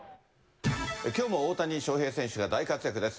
きょうも大谷翔平選手が大活躍です。